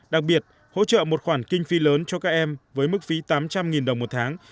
đặc biệt hỗ trợ một khoản kinh phi lớn cho các em với mức phí tám trăm linh đồng một tháng